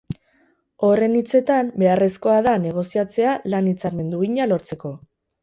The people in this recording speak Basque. Horren hitzetan, beharrezkoa da negoziatzea lan hitzarmen duina lortzeko.